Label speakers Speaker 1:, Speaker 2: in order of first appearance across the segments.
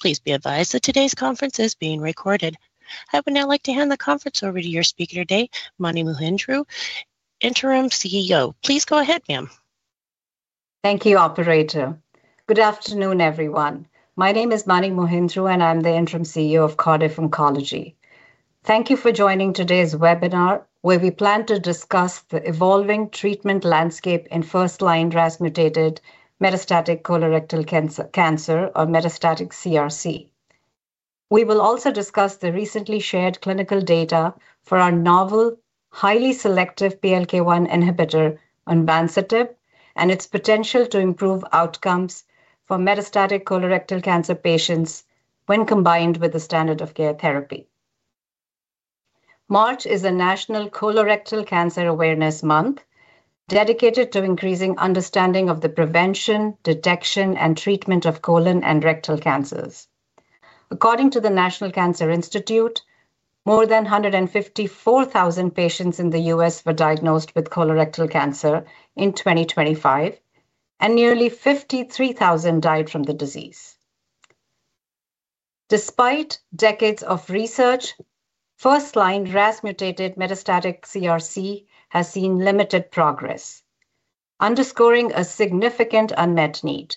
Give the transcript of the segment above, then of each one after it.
Speaker 1: Please be advised that today's conference is being recorded. I would now like to hand the conference over to your speaker today, Mani Mohindru, Interim CEO. Please go ahead, ma'am.
Speaker 2: Thank you, operator. Good afternoon, everyone. My name is Mani Mohindru, and I'm the Interim CEO of Cardiff Oncology. Thank you for joining today's webinar, where we plan to discuss the evolving treatment landscape in first-line RAS mutated metastatic colorectal cancer or metastatic CRC. We will also discuss the recently shared clinical data for our novel, highly selective PLK1 inhibitor onvansertib and its potential to improve outcomes for metastatic colorectal cancer patients when combined with the standard of care therapy. March is National Colorectal Cancer Awareness Month dedicated to increasing understanding of the prevention, detection, and treatment of colon and rectal cancers. According to the National Cancer Institute, more than 154,000 patients in the U.S. were diagnosed with colorectal cancer in 2025, and nearly 53,000 died from the disease. Despite decades of research, first-line RAS mutated metastatic CRC has seen limited progress, underscoring a significant unmet need.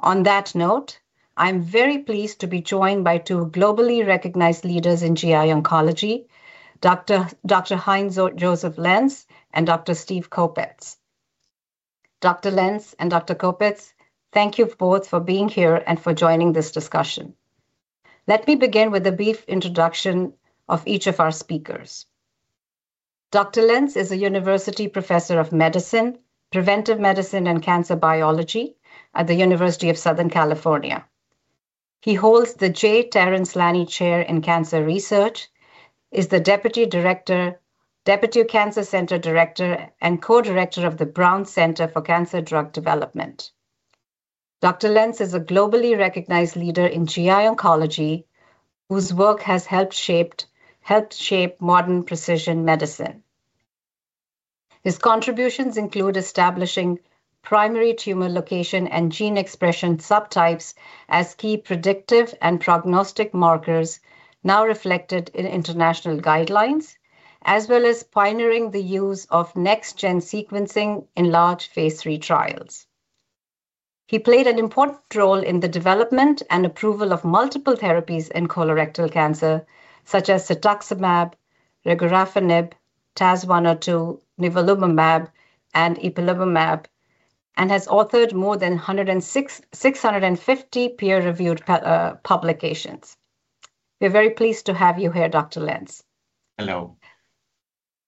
Speaker 2: On that note, I'm very pleased to be joined by two globally recognized leaders in GI oncology, Dr. Heinz-Josef Lenz and Dr. Scott Kopetz. Dr. Lenz and Dr. Kopetz, thank you both for being here and for joining this discussion. Let me begin with a brief introduction of each of our speakers. Dr. Lenz is a university professor of medicine, preventive medicine, and cancer biology at the University of Southern California. He holds the J. Terrence Lanni Chair in Cancer Research, is the deputy cancer center director and co-director of the Brown Center for Cancer Drug Development. Dr. Lenz is a globally recognized leader in GI oncology whose work has helped shape modern precision medicine. His contributions include establishing primary tumor location and gene expression subtypes as key predictive and prognostic markers, now reflected in international guidelines, as well as pioneering the use of next gen sequencing in large phase III trials. He played an important role in the development and approval of multiple therapies in colorectal cancer, such as cetuximab, regorafenib, TAS-102, nivolumab, and ipilimumab, and has authored more than 650 peer-reviewed publications. We're very pleased to have you here, Dr. Lenz.
Speaker 3: Hello.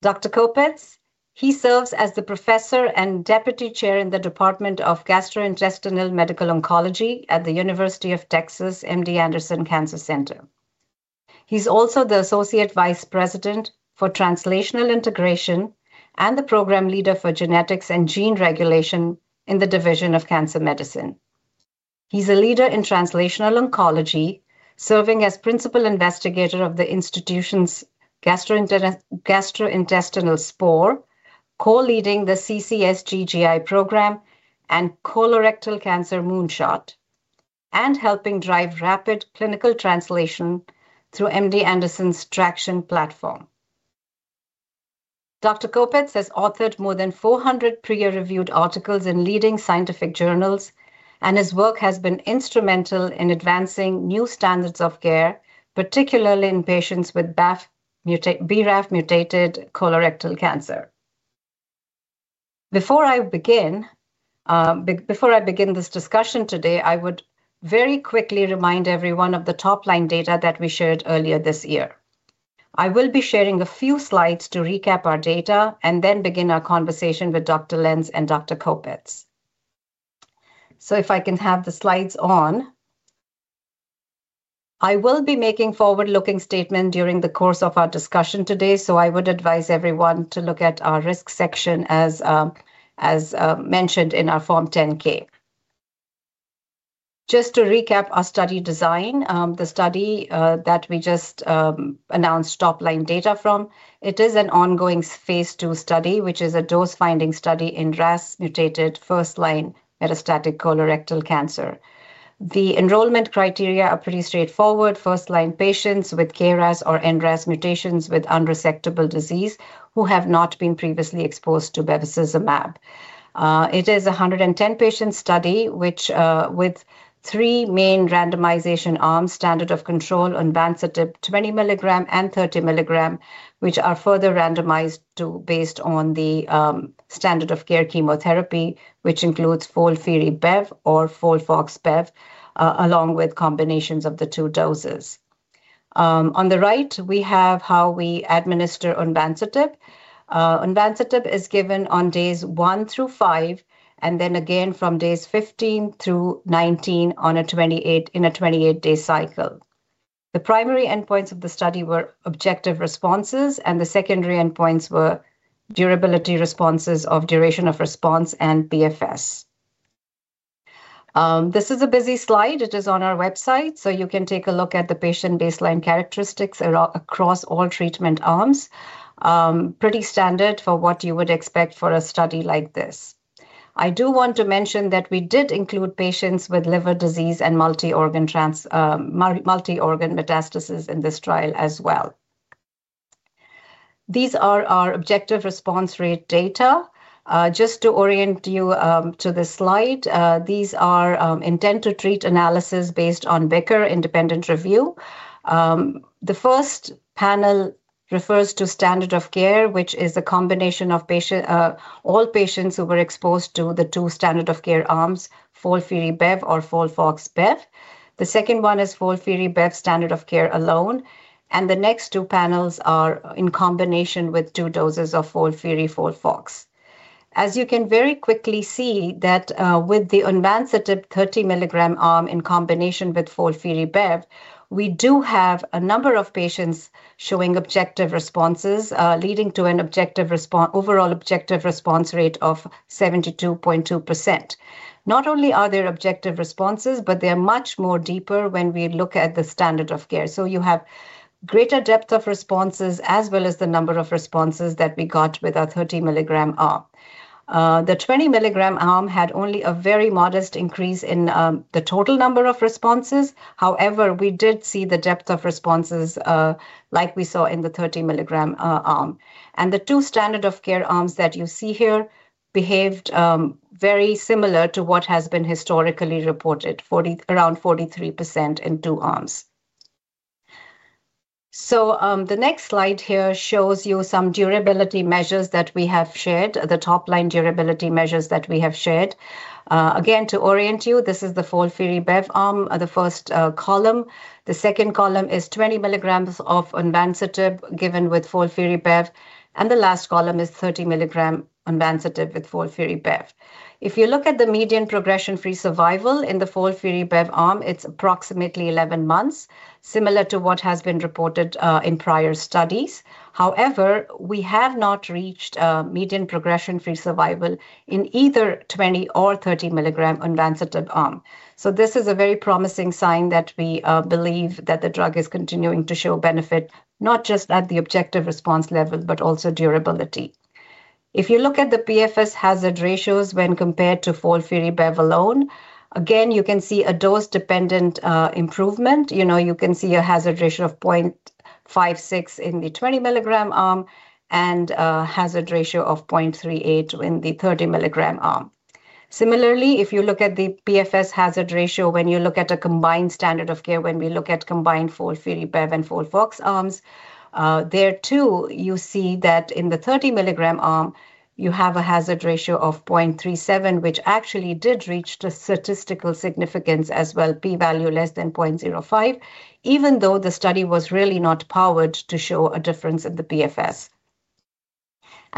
Speaker 2: Dr. Kopetz. He serves as the professor and deputy chair in the Department of Gastrointestinal Medical Oncology at The University of Texas MD Anderson Cancer Center. He's also the Associate Vice President for Translational Integration and the program leader for genetics and gene regulation in the division of cancer medicine. He's a leader in translational oncology, serving as principal investigator of the institution's gastrointestinal SPORE, co-leading the CCSG GI program and Colorectal Cancer Moonshot, and helping drive rapid clinical translation through MD Anderson's TRACTION platform. Dr. Kopetz has authored more than 400 peer-reviewed articles in leading scientific journals, and his work has been instrumental in advancing new standards of care, particularly in patients with BRAF mutated colorectal cancer. Before I begin this discussion today, I would very quickly remind everyone of the top-line data that we shared earlier this year. I will be sharing a few slides to recap our data and then begin our conversation with Dr. Lenz and Dr. Kopetz. If I can have the slides on. I will be making forward-looking statement during the course of our discussion today. I would advise everyone to look at our risk section as mentioned in our Form 10-K. Just to recap our study design, the study that we just announced top-line data from, it is an ongoing phase II study, which is a dose-finding study in RAS mutated first-line metastatic colorectal cancer. The enrollment criteria are pretty straightforward. First-line patients with KRAS or NRAS mutations with unresectable disease who have not been previously exposed to bevacizumab. It is a 110-patient study, which with three main randomization arms, standard of control onvansertib 20 mg and 30 mg, which are further randomized based on the standard of care chemotherapy, which includes FOLFIRI+Bev or FOLFOX+Bev, along with combinations of the two doses. On the right we have how we administer onvansertib. Onvansertib is given on days one through five, and then again from days 15 through 19 in a 28-day cycle. The primary endpoints of the study were objective responses, and the secondary endpoints were durability responses of duration of response and PFS. This is a busy slide. It is on our website, so you can take a look at the patient baseline characteristics across all treatment arms. Pretty standard for what you would expect for a study like this. I do want to mention that we did include patients with liver disease and multi-organ metastases in this trial as well. These are our objective response rate data. Just to orient you to this slide, these are intent to treat analysis based on BICR independent review. The first panel refers to standard of care, which is a combination of all patients who were exposed to the two standard of care arms, FOLFIRI+BEV or FOLFOX+bev. The second one is FOLFIRI+BEV standard of care alone. The next two panels are in combination with two doses of FOLFIRI, FOLFOX. As you can very quickly see that with the onvansertib 30 mg arm in combination with FOLFIRI+BEV, we do have a number of patients showing objective responses leading to an overall objective response rate of 72.2%. Not only are there objective responses, but they are much more deeper when we look at the standard of care. You have greater depth of responses as well as the number of responses that we got with our 30 mg arm. The 20 mg arm had only a very modest increase in the total number of responses. However, we did see the depth of responses like we saw in the 30 mg arm. The two standard of care arms that you see here behaved very similar to what has been historically reported, 40%, around 43% in two arms. The next slide here shows you some durability measures that we have shared, the top-line durability measures that we have shared. Again, to orient you, this is the FOLFIRI+BEV arm, the first column. The second column is 20 mg of onvansertib given with FOLFIRI+BEV, and the last column is 30 mg onvansertib with FOLFIRI+BEV. If you look at the median progression-free survival in the FOLFIRI+BEV arm, it's approximately 11 months, similar to what has been reported, in prior studies. However, we have not reached a median progression-free survival in either 20 mg or 30 mg onvansertib arm. This is a very promising sign that we believe that the drug is continuing to show benefit, not just at the objective response level, but also durability. If you look at the PFS hazard ratios when compared to FOLFIRI+BEV alone, again, you can see a dose-dependent, improvement. You know, you can see a hazard ratio of 0.56 in the 20 mg arm and a hazard ratio of 0.38 in the 30 mg arm. Similarly, if you look at the PFS hazard ratio, when you look at a combined standard of care, when we look at combined FOLFIRI+BEV and FOLFOX arms, there too you see that in the 30 mg arm, you have a hazard ratio of 0.37, which actually did reach the statistical significance as well, P value less than 0.05, even though the study was really not powered to show a difference in the PFS.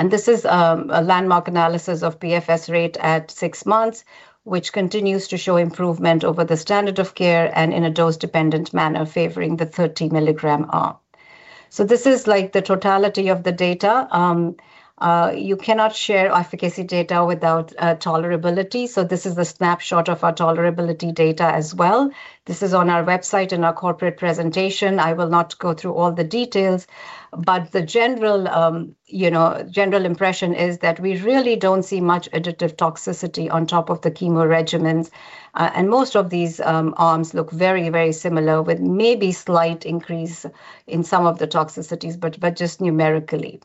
Speaker 2: This is a landmark analysis of PFS rate at six months, which continues to show improvement over the standard of care and in a dose-dependent manner favoring the 30 mg arm. This is like the totality of the data. You cannot share efficacy data without tolerability. This is a snapshot of our tolerability data as well. This is on our website in our corporate presentation. I will not go through all the details, but the general, you know, general impression is that we really don't see much additive toxicity on top of the chemo regimens. Most of these arms look very, very similar with maybe slight increase in some of the toxicities, but just numerically.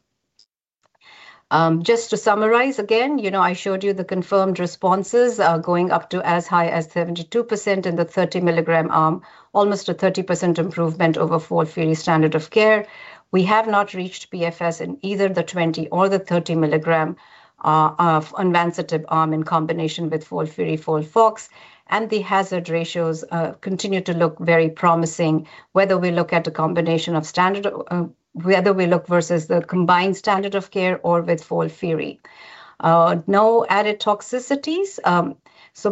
Speaker 2: Just to summarize again, you know, I showed you the confirmed responses going up to as high as 72% in the 30 mg arm, almost a 30% improvement over FOLFIRI standard of care. We have not reached PFS in either the 20 mg or the 30 mg of onvansertib arm in combination with FOLFIRI, FOLFOX, and the hazard ratios continue to look very promising, whether we look versus the combined standard of care or with FOLFIRI. No added toxicities.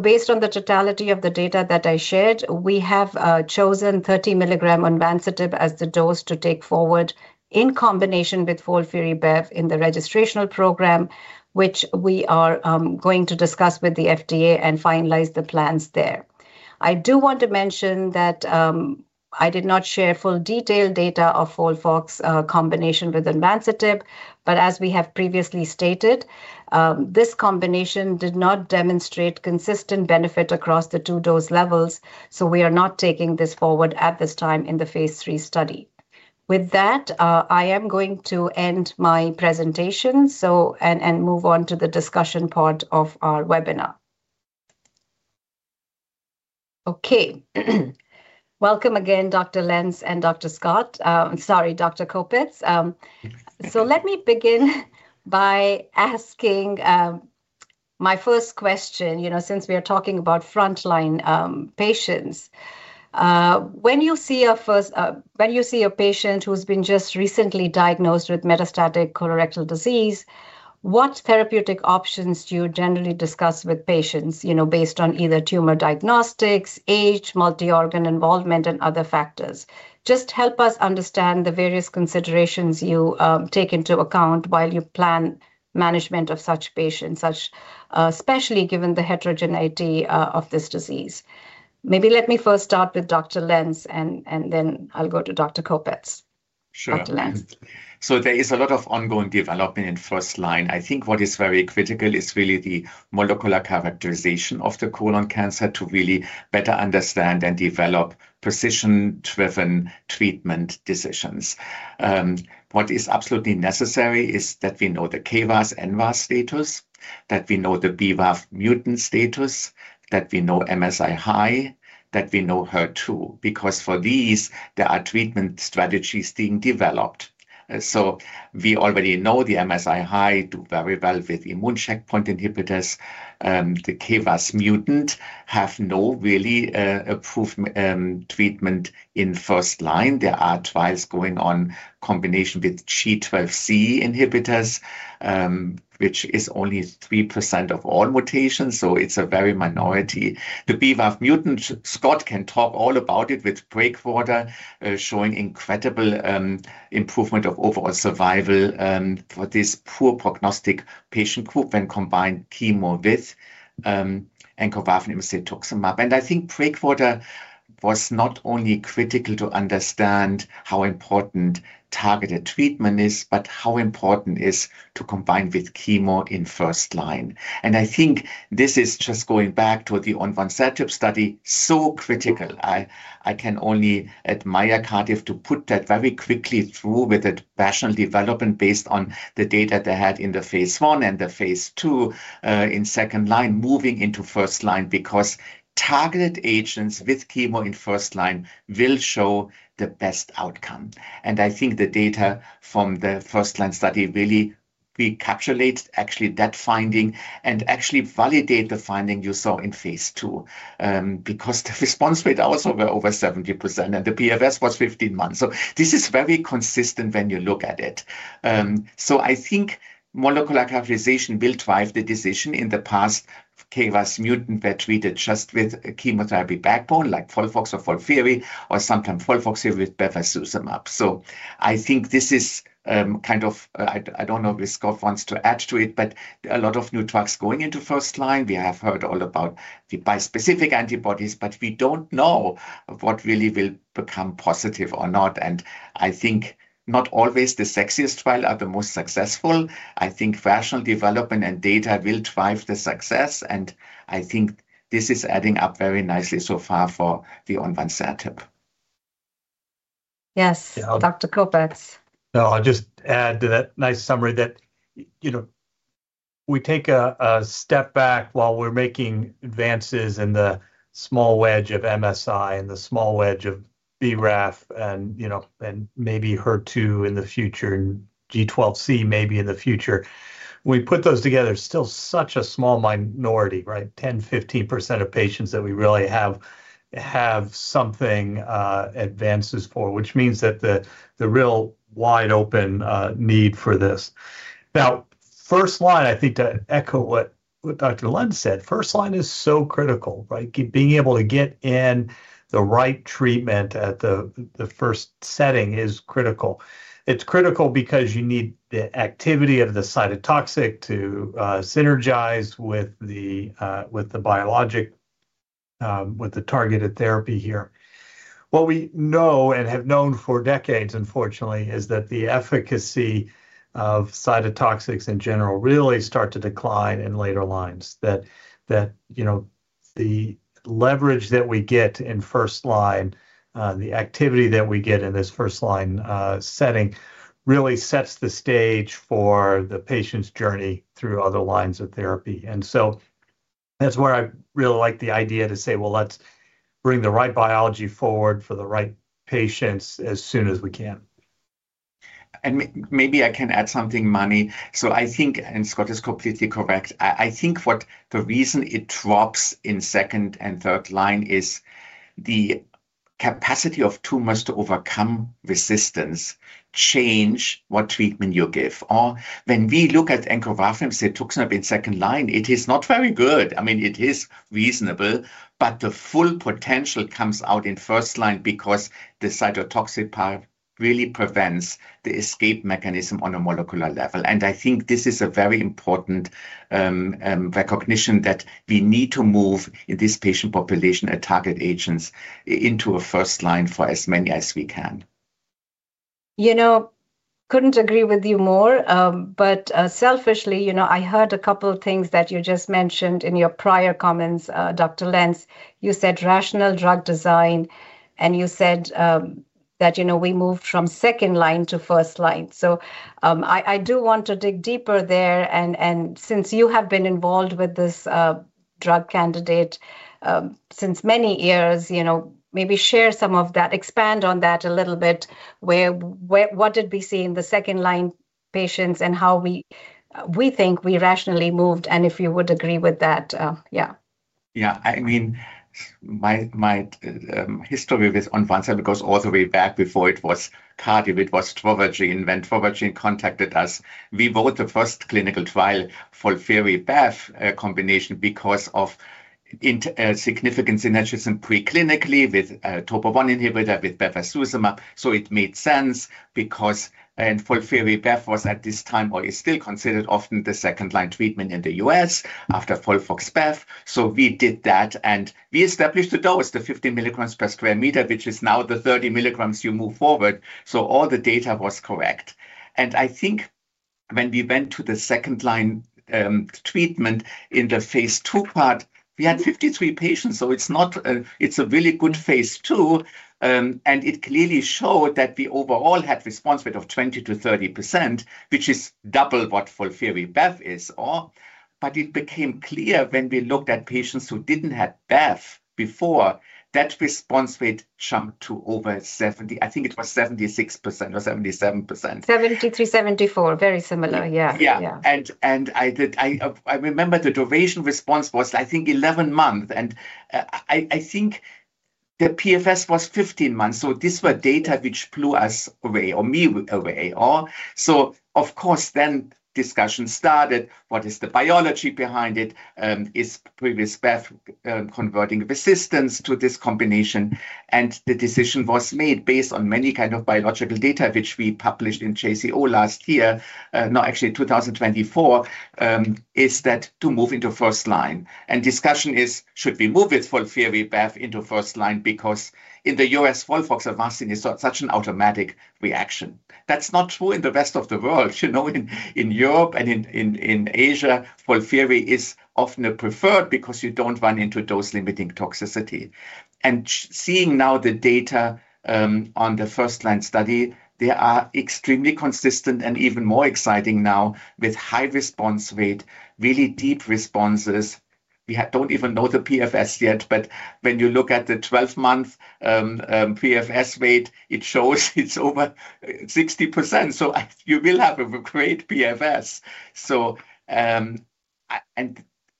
Speaker 2: Based on the totality of the data that I shared, we have chosen 30 mg onvansertib as the dose to take forward in combination with FOLFIRI+BEV in the registrational program, which we are going to discuss with the FDA and finalize the plans there. I do want to mention that I did not share full detailed data of FOLFOX combination with onvansertib, but as we have previously stated, this combination did not demonstrate consistent benefit across the two dose levels, so we are not taking this forward at this time in the phase III study. With that, I am going to end my presentation and move on to the discussion part of our webinar. Welcome again, Dr. Lenz and Dr. Kopetz. Let me begin by asking my first question. You know, since we are talking about frontline patients, when you see a patient who's been just recently diagnosed with metastatic colorectal disease, what therapeutic options do you generally discuss with patients, you know, based on either tumor diagnostics, age, multi-organ involvement and other factors? Just help us understand the various considerations you take into account while you plan management of such patients, especially given the heterogeneity of this disease. Maybe let me first start with Dr. Lenz and then I'll go to Dr. Kopetz.
Speaker 3: Sure.
Speaker 2: Dr. Lenz.
Speaker 3: There is a lot of ongoing development in first-line. I think what is very critical is really the molecular characterization of the colon cancer to really better understand and develop precision-driven treatment decisions. What is absolutely necessary is that we know the KRAS and NRAS status, that we know the BRAF mutant status, that we know MSI-H, that we know HER2, because for these, there are treatment strategies being developed. We already know the MSI-H do very well with immune checkpoint inhibitors. The KRAS mutant have no really approved treatment in first-line. There are trials going on in combination with G12C inhibitors, which is only 3% of all mutations, so it's a very minority. The BRAF mutant, Scott can talk all about it with Breakwater showing incredible improvement of overall survival for this poor prognostic patient group when combined chemo with encorafenib cetuximab. I think Breakwater was not only critical to understand how important targeted treatment is, but how important is to combine with chemo in first line. I think this is just going back to the onvansertib study, so critical. I can only admire Cardiff to put that very quickly through with a rational development based on the data they had in the phase I and the phase II in second line, moving into first line, because targeted agents with chemo in first line will show the best outcome. I think the data from the first line study really recapitulates actually that finding and actually validate the finding you saw in phase II, because the response rate also were over 70% and the PFS was 15 months. This is very consistent when you look at it. I think molecular characterization will drive the decision. In the past, KRAS mutant were treated just with chemotherapy backbone like FOLFOX or FOLFIRI or sometimes FOLFIRI with bevacizumab. I think this is kind of. I don't know if Scott wants to add to it, but a lot of new drugs going into first line. We have heard all about the bispecific antibodies, but we don't know what really will become positive or not. I think not always the sexiest trial are the most successful. I think rational development and data will drive the success, and I think this is adding up very nicely so far for the onvansertib.
Speaker 2: Yes-
Speaker 4: Yeah.
Speaker 2: Dr. Kopetz.
Speaker 4: No, I'll just add to that nice summary that, you know, we take a step back while we're making advances in the small wedge of MSI-H and the small wedge of BRAF and, you know, and maybe HER2 in the future and G12C maybe in the future. We put those together, still such a small minority, right? 10%, 50% of patients that we really have advances for which means that the real wide open need for this. Now, first line, I think to echo what Dr. Lenz said, first line is so critical, right? Getting being able to get in the right treatment at the first setting is critical. It's critical because you need the activity of the cytotoxic to synergize with the biologic with the targeted therapy here. What we know and have known for decades, unfortunately, is that the efficacy of cytotoxics in general really start to decline in later lines. That, you know, the leverage that we get in first line, the activity that we get in this first line setting really sets the stage for the patient's journey through other lines of therapy. That's where I really like the idea to say, well, let's bring the right biology forward for the right patients as soon as we can.
Speaker 3: Maybe I can add something, Mani. I think, and Scott is completely correct, I think what the reason it drops in second and third line is the capacity of tumors to overcome resistance change what treatment you give. Or when we look at encorafenib cetuximab in second line, it is not very good. I mean, it is reasonable, but the full potential comes out in first line because the cytotoxic part really prevents the escape mechanism on a molecular level. I think this is a very important recognition that we need to move this patient population and target agents into a first line for as many as we can.
Speaker 2: You know, couldn't agree with you more, but selfishly, you know, I heard a couple of things that you just mentioned in your prior comments, Dr. Lenz. You said rational drug design, and you said that, you know, we moved from second line to first line. I do want to dig deeper there, and since you have been involved with this drug candidate since many years, you know, maybe share some of that. Expand on that a little bit. Where, what did we see in the second line patients and how we think we rationally moved, and if you would agree with that, yeah.
Speaker 3: I mean, my history with onvansertib goes all the way back before it was Cardiff. It was Trovagene. When Trovagene contacted us, we wrote the first clinical trial FOLFIRI+BEV combination because of significance in actually some preclinical with TOP1 inhibitor with bevacizumab. It made sense because FOLFIRI+BEV was at this time, or is still considered often the second-line treatment in the U.S. after FOLFOX+BEV. We did that, and we established the dose, the 50 mg per square meter, which is now the 30 mg you move forward. All the data was correct. When we went to the second-line treatment in the phase II part, we had 53 patients. It's a really good phase II, and it clearly showed that we overall had response rate of 20%-30%, which is double what FOLFIRI+BEV is. It became clear when we looked at patients who didn't have BEV before, that response rate jumped to over 70%. I think it was 76% or 77%.
Speaker 2: 73%, 74%. Very similar. Yeah.
Speaker 3: Yeah.
Speaker 2: Yeah.
Speaker 3: I remember the duration response was, I think, 11 months, and I think the PFS was 15 months. These were data which blew us away or me away. Of course, discussion started, what is the biology behind it? Is previous BEV converting resistance to this combination? The decision was made based on many kind of biological data, which we published in JCO last year, actually in 2024, is that to move into first line. Discussion is should we move it FOLFIRI+BEV into first line because in the U.S. FOLFOX and Avastin is such an automatic reaction. That's not true in the rest of the world. You know, in Europe and in Asia, FOLFIRI is often preferred because you don't run into dose limiting toxicity. Seeing now the data on the first line study, they are extremely consistent and even more exciting now with high response rate, really deep responses. We don't even know the PFS yet, but when you look at the 12-month PFS rate, it shows it's over 60%. You will have a great PFS. And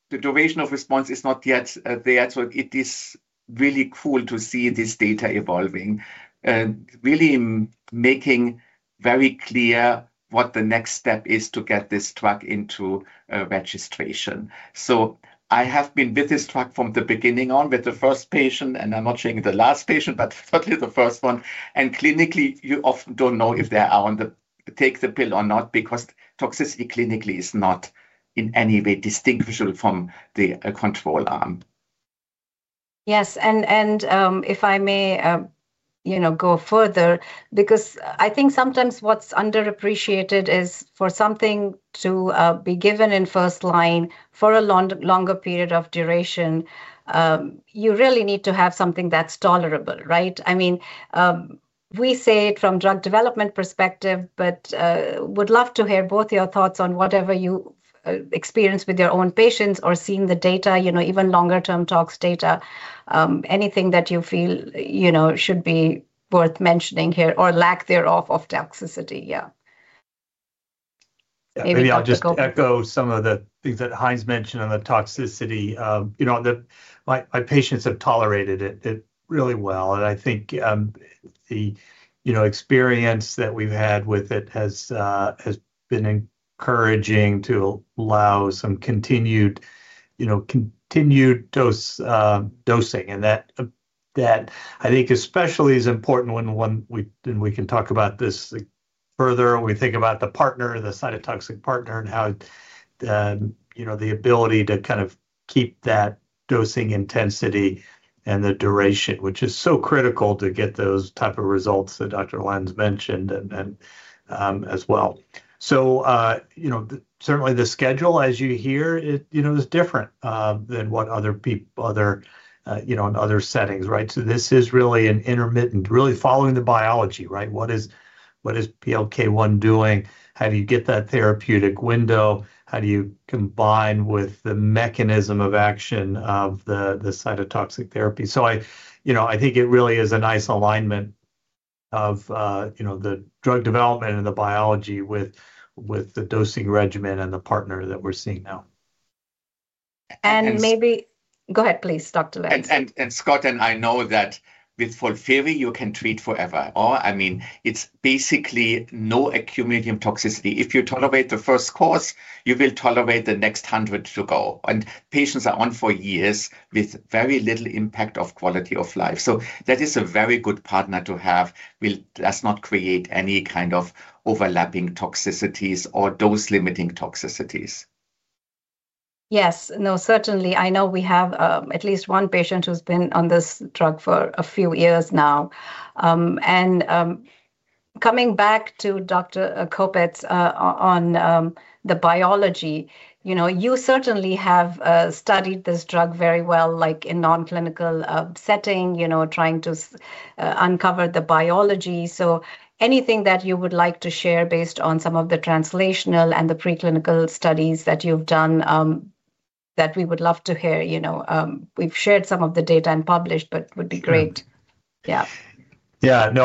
Speaker 3: the duration of response is not yet there. It is really cool to see this data evolving, really making very clear what the next step is to get this drug into registration. I have been with this drug from the beginning on with the first patient, and I'm not saying the last patient, but certainly the first one. Clinically, you often don't know if they are on, take the pill or not because toxicity clinically is not in any way distinguishable from the control arm.
Speaker 2: Yes. If I may, you know, go further because I think sometimes what's underappreciated is for something to be given in first line for a longer period of duration, you really need to have something that's tolerable, right? I mean, we say it from drug development perspective, but would love to hear both your thoughts on whatever you experience with your own patients or seeing the data, you know, even longer-term tox data, anything that you feel, you know, should be worth mentioning here or lack thereof of toxicity. Yeah.
Speaker 4: Yeah. Maybe I'll just echo some of the things that Heinz mentioned on the toxicity. You know, my patients have tolerated it really well. I think the experience that we've had with it has been encouraging to allow some continued dosing. That I think especially is important when we can talk about this further, we think about the partner, the cytotoxic partner, and how you know the ability to kind of keep that dosing intensity and the duration, which is so critical to get those type of results that Dr. Lenz mentioned and as well. You know, certainly the schedule as you hear it you know is different than what other in other settings, right? This is really an intermittent, really following the biology, right? What is PLK1 doing? How do you get that therapeutic window? How do you combine with the mechanism of action of the cytotoxic therapy? You know, I think it really is a nice alignment of, you know, the drug development and the biology with the dosing regimen and the partner that we're seeing now.
Speaker 2: And maybe-
Speaker 3: And-
Speaker 2: Go ahead, please, Dr. Lenz.
Speaker 3: Scott and I know that with FOLFIRI, you can treat forever or I mean, it's basically no cumulative toxicity. If you tolerate the first course, you will tolerate the next hundred or so. Patients are on for years with very little impact on quality of life. That is a very good partner to have. Let's not create any kind of overlapping toxicities or dose-limiting toxicities.
Speaker 2: Yes. No, certainly. I know we have at least one patient who's been on this drug for a few years now. Coming back to Dr. Kopetz, on the biology, you know, you certainly have studied this drug very well, like in non-clinical setting, you know, trying to uncover the biology. Anything that you would like to share based on some of the translational and the preclinical studies that you've done, that we would love to hear, you know. We've shared some of the data and published, but it would be great.
Speaker 4: Sure.
Speaker 2: Yeah.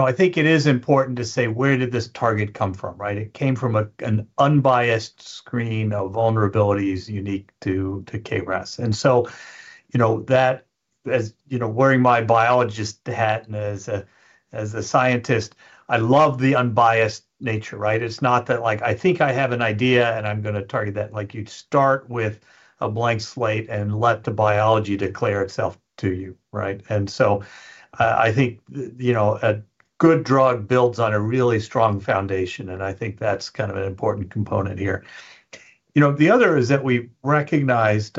Speaker 4: I think it is important to say, where did this target come from, right? It came from an unbiased screen of vulnerabilities unique to KRAS. You know, wearing my biologist hat and as a scientist, I love the unbiased nature, right? It's not that like, I think I have an idea and I'm gonna target that. Like you'd start with a blank slate and let the biology declare itself to you, right? I think, you know, a good drug builds on a really strong foundation, and I think that's kind of an important component here. You know, the other is that we recognized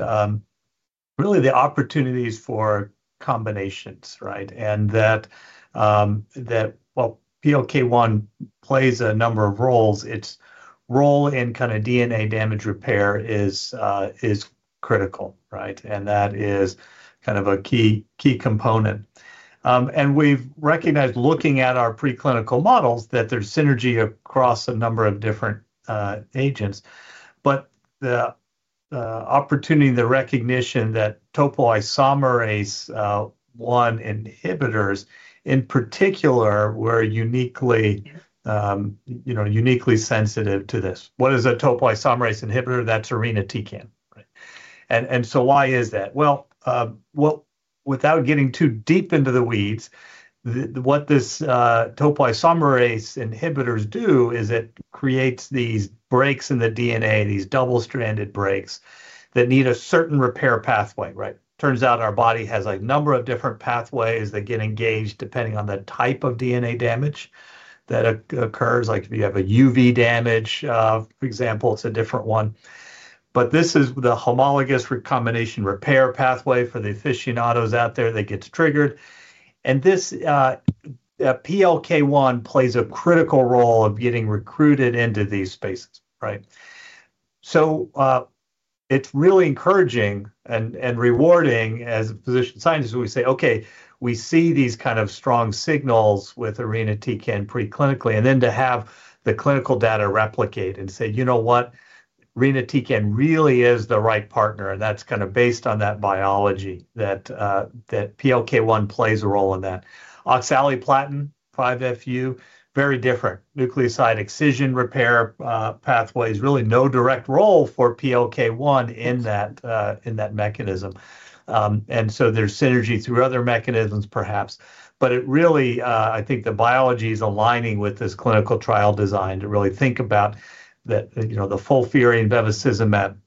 Speaker 4: really the opportunities for combinations, right? That while PLK1 plays a number of roles, its role in kind of DNA damage repair is critical, right? That is kind of a key component. We've recognized looking at our preclinical models that there's synergy across a number of different agents, the opportunity and the recognition that topoisomerase I inhibitors in particular were uniquely, you know, uniquely sensitive to this. What is a topoisomerase inhibitor? That's irinotecan, right? Why is that? Well, without getting too deep into the weeds, what this topoisomerase inhibitors do is it creates these breaks in the DNA, these double-stranded breaks that need a certain repair pathway, right? Turns out our body has a number of different pathways that get engaged depending on the type of DNA damage that occurs. Like if you have a UV damage, for example, it's a different one. This is the homologous recombination repair pathway for the aficionados out there that gets triggered. This PLK1 plays a critical role of getting recruited into these spaces, right? It's really encouraging and rewarding as a physician scientist when we say, "Okay, we see these kind of strong signals with irinotecan preclinically." Then to have the clinical data replicate and say, "You know what? irinotecan really is the right partner," and that's kind of based on that biology that PLK1 plays a role in that. Oxaliplatin, 5-FU, very different. Nucleotide excision repair pathway. Really no direct role for PLK1 in that mechanism. There's synergy through other mechanisms perhaps. It really, I think the biology is aligning with this clinical trial design to really think about the, you know, the FOLFIRI and bevacizumab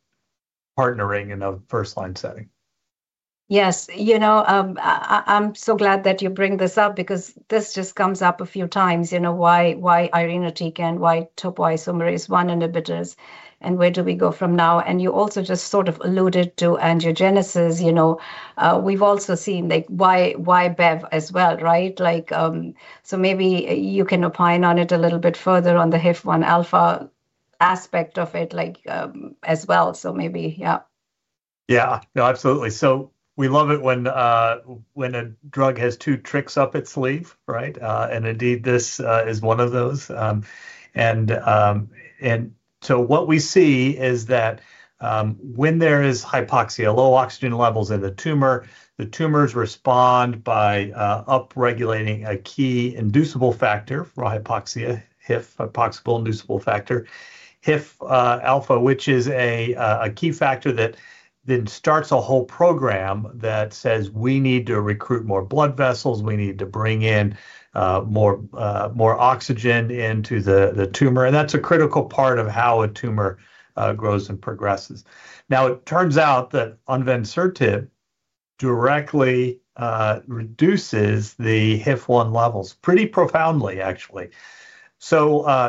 Speaker 4: partnering in a first-line setting.
Speaker 2: Yes. You know, I’m so glad that you bring this up because this just comes up a few times, you know, why irinotecan, why topoisomerase one inhibitors, and where do we go from now? You also just sort of alluded to angiogenesis. You know, we’ve also seen like why bev as well, right? Like, so maybe you can opine on it a little bit further on the HIF-1 alpha aspect of it, like, as well. Maybe. Yeah.
Speaker 4: Yeah. No, absolutely. We love it when a drug has two tricks up its sleeve, right? Indeed this is one of those. What we see is that when there is hypoxia, low oxygen levels in the tumor, the tumors respond by upregulating a key inducible factor for hypoxia, HIF, Hypoxia-Inducible Factor. HIF alpha, which is a key factor that then starts a whole program that says we need to recruit more blood vessels, we need to bring in more oxygen into the tumor. That's a critical part of how a tumor grows and progresses. Now, it turns out that onvansertib directly reduces the HIF-1 levels pretty profoundly actually.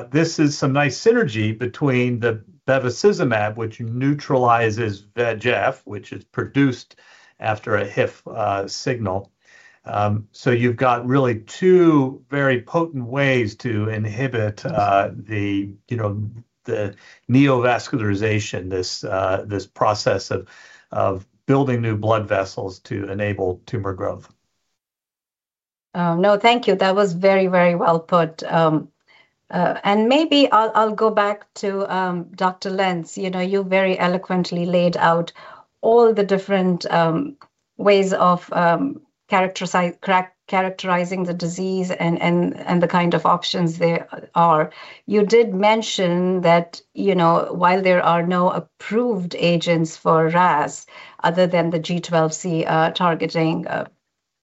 Speaker 4: This is some nice synergy between the bevacizumab, which neutralizes VEGF, which is produced after a HIF signal. You've got really two very potent ways to inhibit, you know, the neovascularization, this process of building new blood vessels to enable tumor growth.
Speaker 2: No, thank you. That was very well put. Maybe I'll go back to Dr. Lenz. You know, you very eloquently laid out all the different ways of characterizing the disease and the kind of options there are. You did mention that, you know, while there are no approved agents for RAS other than the G12C targeting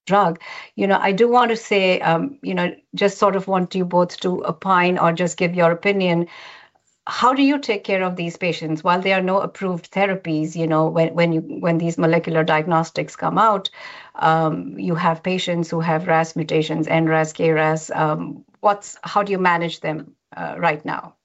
Speaker 2: drug, you know, I do want to say, you know, just sort of want you both to opine or just give your opinion, how do you take care of these patients while there are no approved therapies? You know, when you, when these molecular diagnostics come out, you have patients who have RAS mutations, NRAS, KRAS, how do you manage them right now?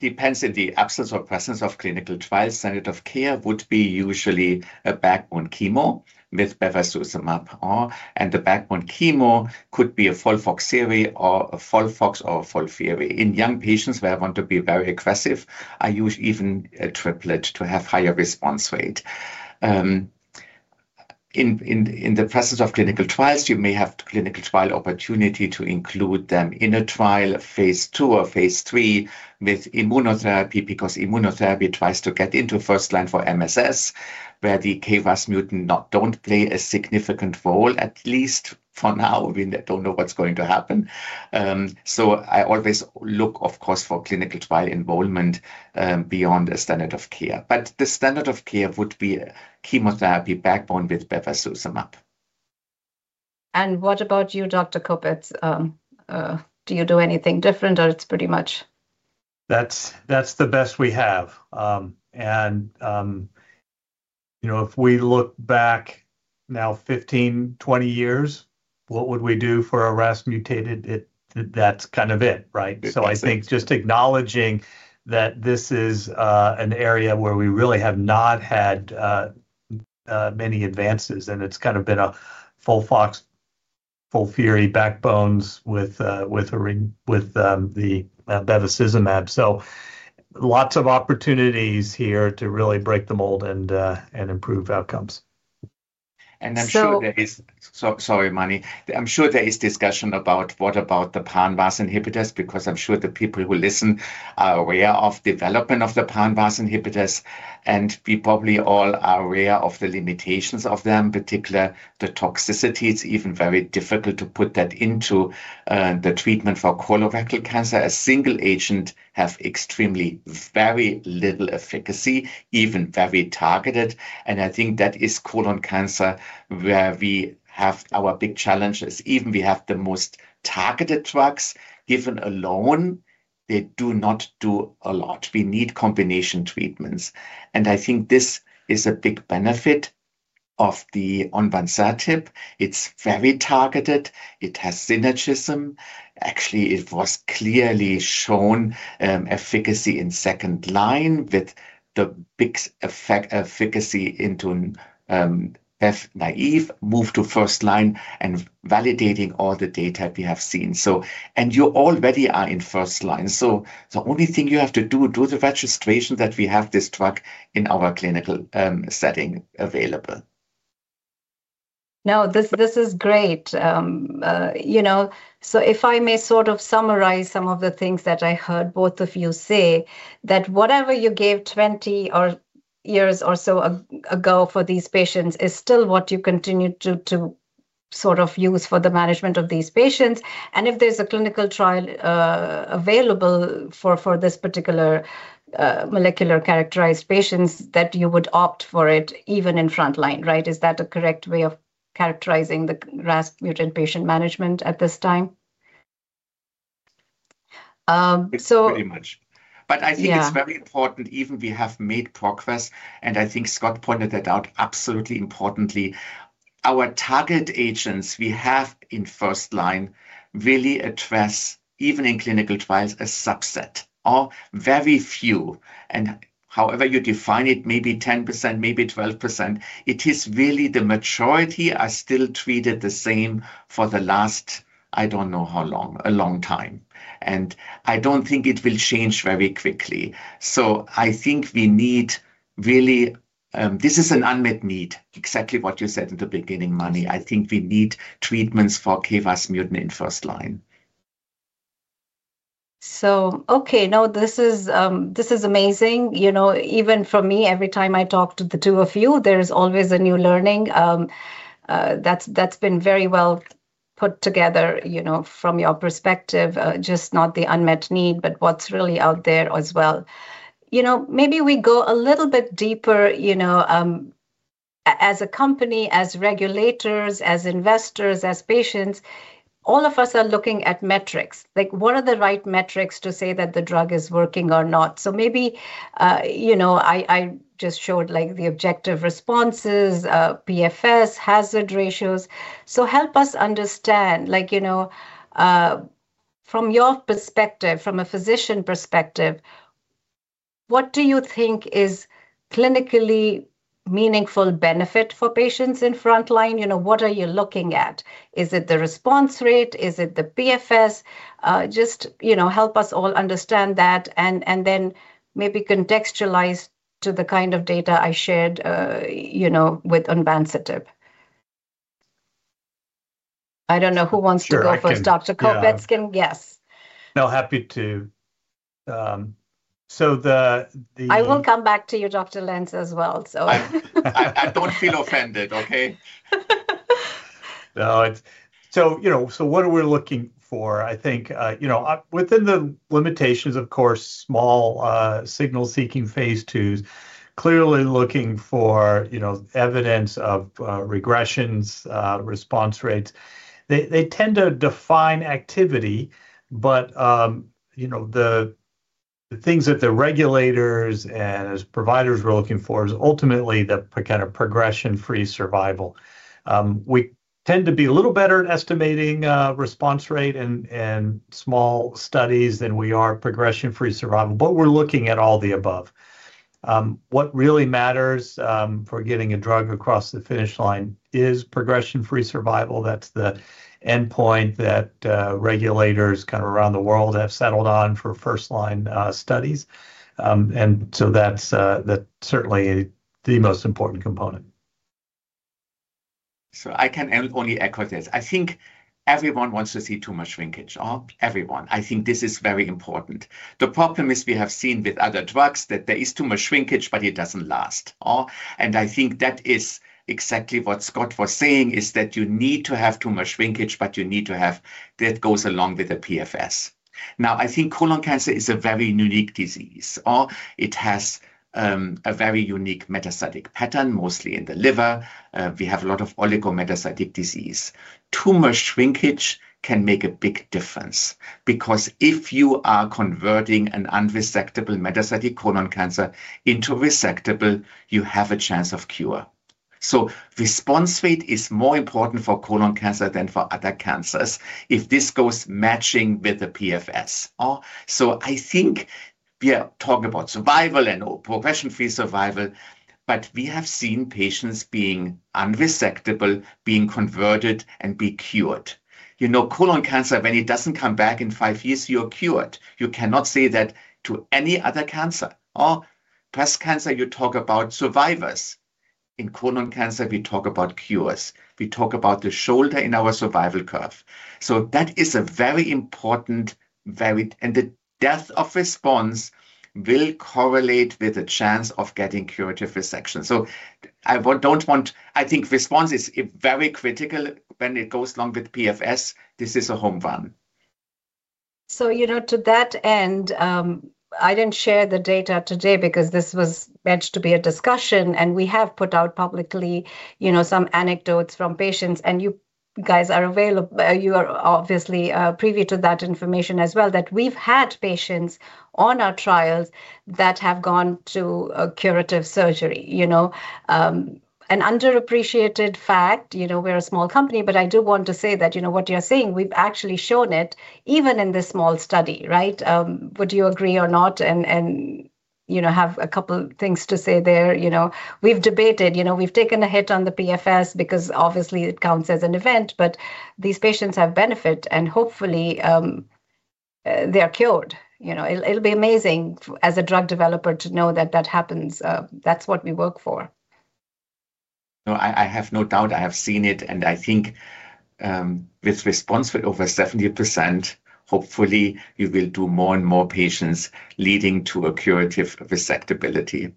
Speaker 3: Depends in the absence or presence of clinical trials. Standard of care would be usually a backbone chemo with bevacizumab on, and the backbone chemo could be a FOLFOX or a FOLFIRI. In young patients where I want to be very aggressive, I use even a triplet to have higher response rate. In the presence of clinical trials, you may have clinical trial opportunity to include them in a trial, phase II or phase III, with immunotherapy, because immunotherapy tries to get into first line for MSS, where the KRAS mutant don't play a significant role, at least for now. We don't know what's going to happen. I always look, of course, for clinical trial involvement, beyond a standard of care. The standard of care would be chemotherapy backbone with bevacizumab.
Speaker 2: What about you, Dr. Kopetz? Do you do anything different or it's pretty much?
Speaker 4: That's the best we have. You know, if we look back now 15, 20 years, what would we do for a RAS mutated? That's kind of it, right?
Speaker 3: Exactly.
Speaker 4: I think just acknowledging that this is an area where we really have not had many advances, and it's kind of been a FOLFOX, FOLFIRI backbones with the bevacizumab. Lots of opportunities here to really break the mold and improve outcomes.
Speaker 3: I'm sure.
Speaker 2: So-
Speaker 3: Sorry, Mani. I'm sure there is discussion about what about the pan-RAS inhibitors because I'm sure the people who listen are aware of development of the pan-RAS inhibitors, and we probably all are aware of the limitations of them, particularly the toxicity. It's even very difficult to put that into the treatment for colorectal cancer. A single agent have extremely very little efficacy, even very targeted, and I think that is colon cancer where we have our big challenges. Even we have the most targeted drugs, given alone, they do not do a lot. We need combination treatments. I think this is a big benefit of the onvansertib. It's very targeted. It has synergism. Actually, it was clearly shown efficacy in second-line with the big effect efficacy in FOLFIRI-naive, move to first-line and validating all the data we have seen. You already are in first-line. The only thing you have to do the registration that we have this drug in our clinical setting available.
Speaker 2: No. This is great. You know, if I may sort of summarize some of the things that I heard both of you say, that whatever you gave 20 years or so ago for these patients is still what you continue to sort of use for the management of these patients. If there's a clinical trial available for this particular molecularly characterized patients that you would opt for it even in front line. Right? Is that a correct way of characterizing the RAS mutant patient management at this time?
Speaker 3: It's pretty much.
Speaker 2: Yeah.
Speaker 3: I think it's very important even we have made progress, and I think Scott pointed that out absolutely importantly. Our target agents we have in first line really address, even in clinical trials, a subset or very few. However you define it, maybe 10%, maybe 12%, it is really the majority are still treated the same for the last I don't know how long. A long time. I don't think it will change very quickly. I think we need really, this is an unmet need, exactly what you said at the beginning, Mani. I think we need treatments for KRAS mutant in first line.
Speaker 2: Okay. No. This is amazing. You know, even for me, every time I talk to the two of you, there is always a new learning. That's been very well put together, you know, from your perspective, just not the unmet need, but what's really out there as well. You know, maybe we go a little bit deeper, you know, as a company, as regulators, as investors, as patients, all of us are looking at metrics. Like, what are the right metrics to say that the drug is working or not? Maybe, you know, I just showed, like, the objective responses, PFS, hazard ratios. Help us understand, like, you know, from your perspective, from a physician perspective, what do you think is clinically meaningful benefit for patients in front line? You know, what are you looking at? Is it the response rate? Is it the PFS? Just, you know, help us all understand that and then maybe contextualize to the kind of data I shared, you know, with onvansertib. I don't know who wants to go first.
Speaker 4: Sure.
Speaker 2: Dr. Kopetz can.
Speaker 4: Yeah.
Speaker 2: Yes.
Speaker 4: No, happy to.
Speaker 2: I will come back to you, Dr. Lenz, as well.
Speaker 3: I don't feel offended. Okay?
Speaker 4: No. It's so, you know, so what are we looking for? I think, you know, within the limitations, of course, small signal-seeking phase IIs, clearly looking for, you know, evidence of regressions, response rates. They tend to define activity, but, you know, the things that the regulators and as providers we're looking for is ultimately the kind of progression-free survival. We tend to be a little better at estimating response rate in small studies than we are progression-free survival, but we're looking at all the above. What really matters for getting a drug across the finish line is progression-free survival. That's the endpoint that regulators kind of around the world have settled on for first-line studies. That's certainly the most important component.
Speaker 3: I can only echo this. I think everyone wants to see tumor shrinkage. I think this is very important. The problem is we have seen with other drugs that there is tumor shrinkage, but it doesn't last. I think that is exactly what Scott was saying, is that you need to have tumor shrinkage, but you need to have that goes along with the PFS. I think colon cancer is a very unique disease. It has a very unique metastatic pattern, mostly in the liver. We have a lot of oligometastatic disease. Tumor shrinkage can make a big difference because if you are converting an unresectable metastatic colon cancer into resectable, you have a chance of cure. Response rate is more important for colon cancer than for other cancers if this goes matching with the PFS. I think we are talking about survival and progression-free survival, but we have seen patients being unresectable, being converted and be cured. You know, colon cancer, when it doesn't come back in five years, you're cured. You cannot say that to any other cancer. Breast cancer, you talk about survivors. In colon cancer, we talk about cures. We talk about the shoulder in our survival curve. That is a very important, and the depth of response will correlate with the chance of getting curative resection. I think response is very critical when it goes along with PFS. This is a home run.
Speaker 2: You know, to that end, I didn't share the data today because this was meant to be a discussion, and we have put out publicly, you know, some anecdotes from patients, and you are obviously privy to that information as well, that we've had patients on our trials that have gone to a curative surgery. You know, an underappreciated fact, you know, we're a small company, but I do want to say that, you know, what you're saying, we've actually shown it even in this small study, right? Would you agree or not and, you know, have a couple things to say there? You know, we've debated, you know, we've taken a hit on the PFS because obviously it counts as an event, but these patients have benefit, and hopefully they are cured. You know, it'll be amazing as a drug developer to know that that happens, that's what we work for.
Speaker 3: No, I have no doubt. I have seen it, and I think, with response rate over 70%, hopefully you will do more and more patients leading to a curative resectability.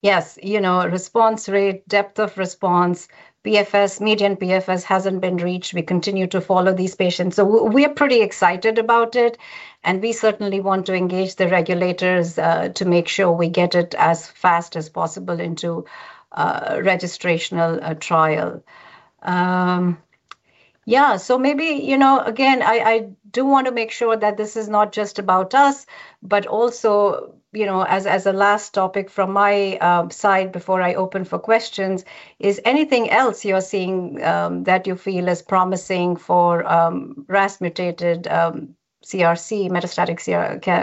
Speaker 2: Yes. You know, response rate, depth of response, PFS, median PFS hasn't been reached. We continue to follow these patients. We are pretty excited about it, and we certainly want to engage the regulators to make sure we get it as fast as possible into a registrational trial. Yeah. Maybe, you know, again, I do wanna make sure that this is not just about us, but also, you know, as a last topic from my side before I open for questions, is anything else you're seeing that you feel is promising for RAS mutated CRC, metastatic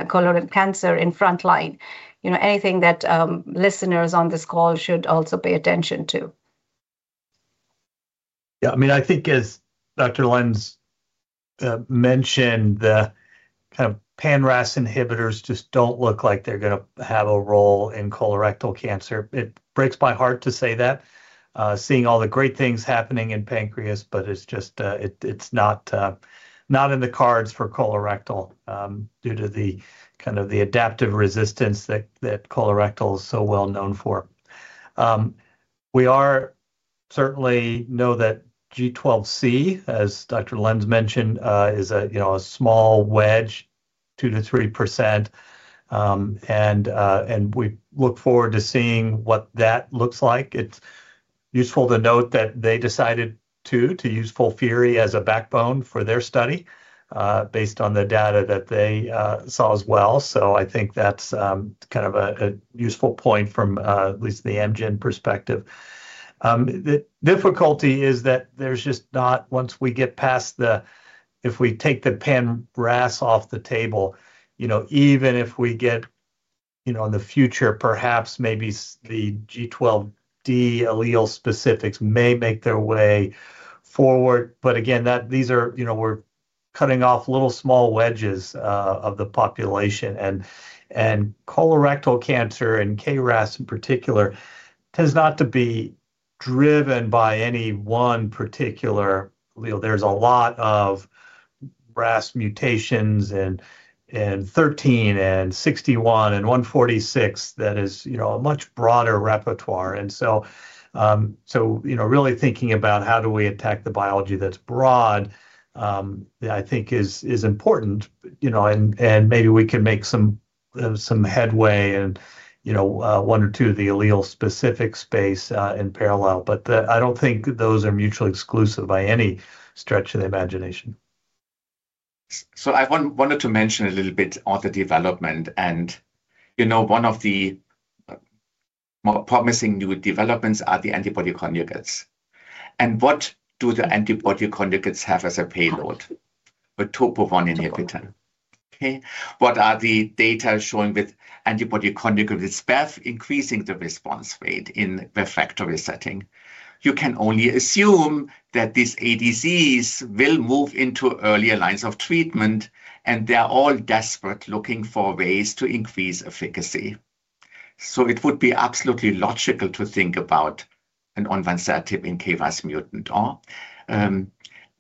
Speaker 2: colorectal cancer in frontline? You know, anything that listeners on this call should also pay attention to.
Speaker 4: Yeah. I mean, I think as Dr. Lenz mentioned, the kind of pan-RAS inhibitors just don't look like they're gonna have a role in colorectal cancer. It breaks my heart to say that, seeing all the great things happening in pancreas, but it's just, it's not in the cards for colorectal, due to the kind of adaptive resistance that colorectal is so well known for. We certainly know that G12C, as Dr. Lenz mentioned, is, you know, a small wedge, 2%-3%, and we look forward to seeing what that looks like. It's useful to note that they decided to use FOLFIRI as a backbone for their study, based on the data that they saw as well. I think that's kind of a useful point from at least the Amgen perspective. The difficulty is that there's just not once we get past the, if we take the pan-RAS off the table, you know, even if we get, you know, in the future, perhaps maybe the G12D allele specifics may make their way forward. But again, these are, you know, we're cutting off little small wedges of the population. Colorectal cancer and KRAS in particular tends not to be driven by any one particular allele. There's a lot of RAS mutations in codon 13 and codon 61 and codon 146 that is, you know, a much broader repertoire. You know, really thinking about how do we attack the biology that's broad, I think is important. You know, maybe we can make some headway in, you know, one or two of the allele-specific space, in parallel. I don't think those are mutually exclusive by any stretch of the imagination.
Speaker 3: I wanted to mention a little bit on the development and, you know, one of the more promising new developments are the antibody conjugates. What do the antibody conjugates have as a payload? A topoisomerase inhibitor. Okay. What are the data showing with antibody conjugates path increasing the response rate in refractory setting? You can only assume that these ADCs will move into earlier lines of treatment, and they're all desperately looking for ways to increase efficacy. It would be absolutely logical to think about an onvansertib in KRAS mutant. Also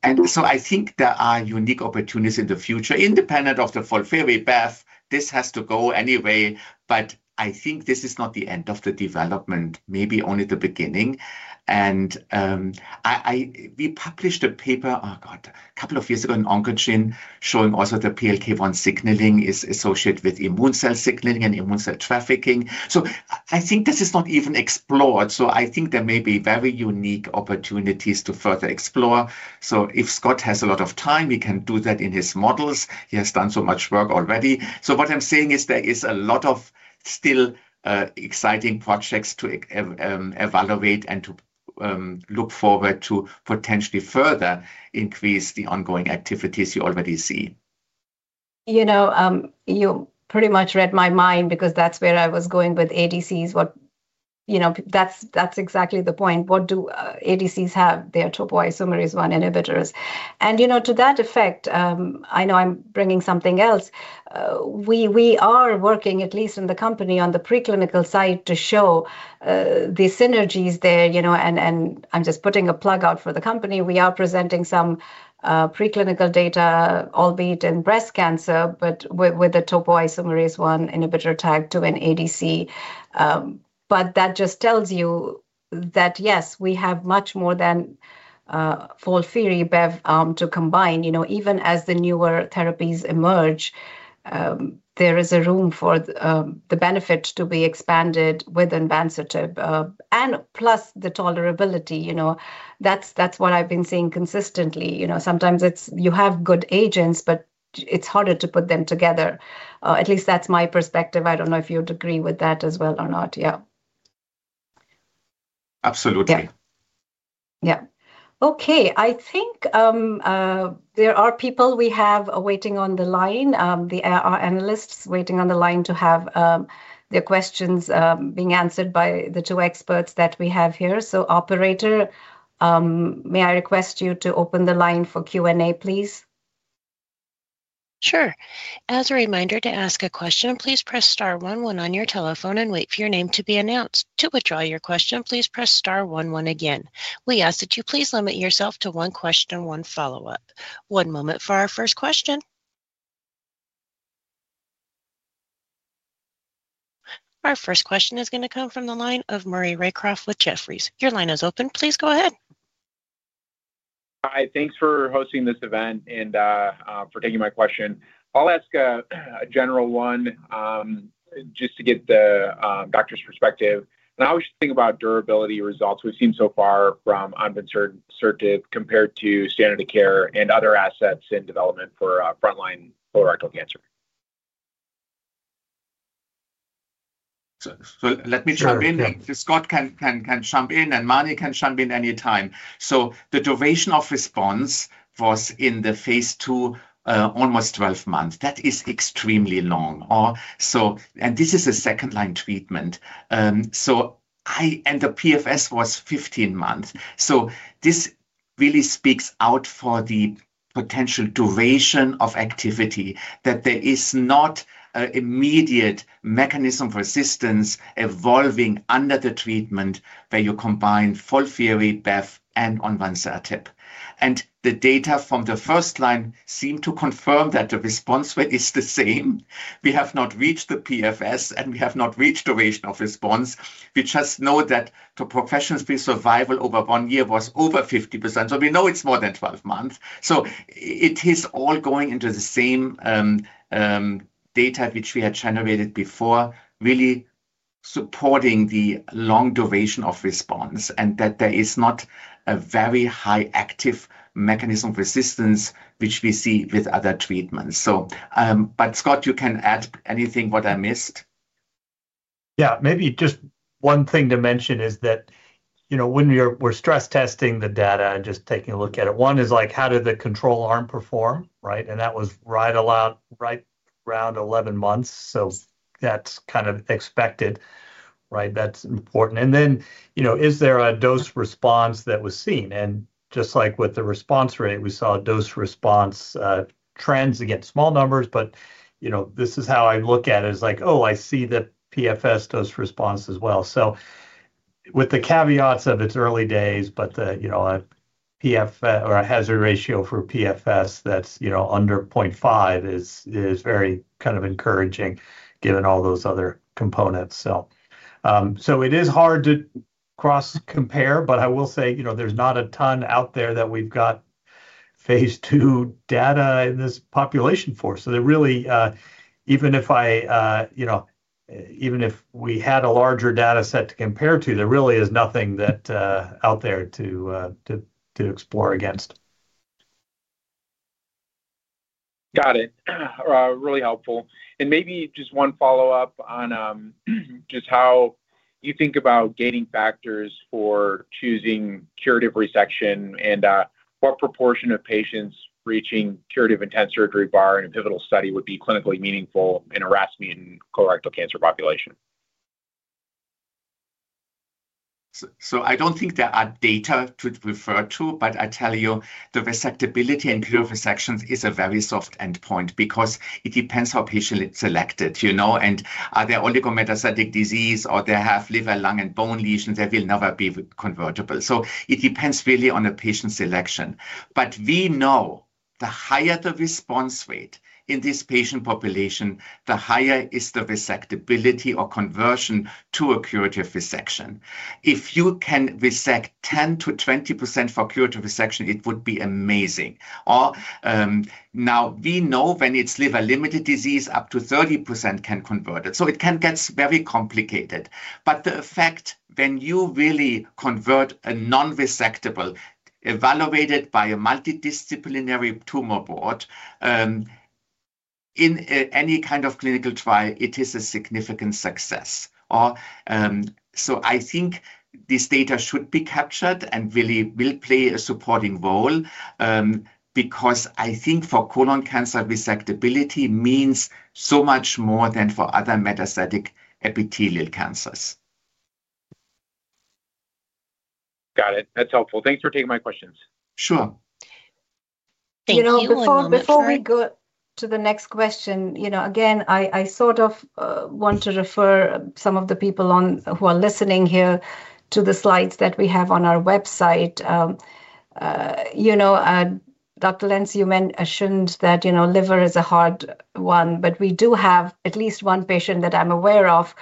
Speaker 3: I think there are unique opportunities in the future, independent of the FOLFIRI path, this has to go anyway. I think this is not the end of the development, maybe only the beginning. We published a paper, oh, God, a couple of years ago in Oncogene showing also the PLK1 signaling is associated with immune cell signaling and immune cell trafficking. I think this is not even explored. I think there may be very unique opportunities to further explore. If Scott has a lot of time, he can do that in his models. He has done so much work already. What I'm saying is there is a lot of still exciting projects to evaluate and to look forward to potentially further increase the ongoing activities you already see.
Speaker 2: You know, you pretty much read my mind because that's where I was going with ADCs. You know, that's exactly the point. What do ADCs have? They are topoisomerase I inhibitors. You know, to that effect, I know I'm bringing something else, we are working at least in the company on the preclinical side to show the synergies there, you know, and I'm just putting a plug out for the company. We are presenting some preclinical data, albeit in breast cancer, but with the topoisomerase I inhibitor tagged to an ADC. But that just tells you that, yes, we have much more than FOLFIRI, bev, to combine. You know, even as the newer therapies emerge, there is a room for the benefit to be expanded with onvansertib, and plus the tolerability, you know. That's what I've been seeing consistently. You know, sometimes it's you have good agents, but it's harder to put them together. At least that's my perspective. I don't know if you'd agree with that as well or not. Yeah.
Speaker 3: Absolutely.
Speaker 2: I think there are people we have waiting on the line, our analysts waiting on the line to have their questions being answered by the two experts that we have here. Operator, may I request you to open the line for Q&A, please?
Speaker 1: Sure. As a reminder, to ask a question, please press star one one on your telephone and wait for your name to be announced. To withdraw your question, please press star one one again. We ask that you please limit yourself to one question, one follow-up. One moment for our first question. Our first question is gonna come from the line of Maury Raycroft with Jefferies. Your line is open. Please go ahead.
Speaker 5: Hi. Thanks for hosting this event and for taking my question. I'll ask a general one just to get the doctor's perspective. I always think about durability results we've seen so far from onvansertib compared to standard of care and other assets in development for frontline colorectal cancer.
Speaker 3: Let me jump in.
Speaker 2: Sure. Yeah.
Speaker 3: If Scott can jump in, and Mani can jump in any time. The duration of response was in the phase II almost 12 months. That is extremely long. This is a second-line treatment. The PFS was 15 months. This really speaks to the potential duration of activity, that there is not an immediate mechanism for resistance evolving under the treatment where you combine FOLFIRI, bev, and onvansertib. The data from the first-line seem to confirm that the response rate is the same. We have not reached the PFS, and we have not reached duration of response. We just know that the progression-free survival over one year was over 50%, so we know it's more than 12 months. It is all going into the same data which we had generated before, really supporting the long duration of response and that there is not a very high active mechanism of resistance which we see with other treatments. Scott, you can add anything what I missed.
Speaker 4: Yeah. Maybe just one thing to mention is that, you know, when we're stress-testing the data and just taking a look at it, one is, like, how did the control arm perform, right? That was right around 11 months, so that's kind of expected, right? That's important. Then, you know, is there a dose response that was seen? Just like with the response rate, we saw a dose response trends. Again, small numbers, but, you know, this is how I look at it as like, "Oh, I see the PFS dose response as well." With the caveats of its early days, but the, you know, a PFS or a hazard ratio for PFS that's, you know, under 0.5 is very kind of encouraging given all those other components. It is hard to cross-compare, but I will say, you know, there's not a ton out there that we've got phase II data in this population for. There really, even if we had a larger data set to compare to, there really is nothing out there to explore against.
Speaker 5: Got it. Really helpful. Maybe just one follow-up on just how you think about guiding factors for choosing curative resection and what proportion of patients reaching curative intent surgery in a pivotal study would be clinically meaningful in a RAS mutant colorectal cancer population?
Speaker 3: I don't think there are data to refer to, but I tell you the resectability and curative resections is a very soft endpoint because it depends how patient is selected, you know? Are there oligometastatic disease, or they have liver, lung, and bone lesions that will never be convertible. It depends really on the patient selection. We know the higher the response rate in this patient population, the higher is the resectability or conversion to a curative resection. If you can resect 10%-20% for curative resection, it would be amazing. Now we know when it's liver-limited disease, up to 30% can convert it, so it can get very complicated. The effect when you really convert a non-resectable evaluated by a multidisciplinary tumor board, in any kind of clinical trial, it is a significant success. I think this data should be captured and really will play a supporting role, because I think for colon cancer, resectability means so much more than for other metastatic epithelial cancers.
Speaker 5: Got it. That's helpful. Thanks for taking my questions.
Speaker 3: Sure.
Speaker 1: Thank you. One moment, sir.
Speaker 2: You know, before we go to the next question, you know, again, I sort of want to refer some of the people who are listening here to the slides that we have on our website. You know, Dr. Lenz, you mentioned that, you know, liver is a hard one, but we do have at least one patient that I'm aware of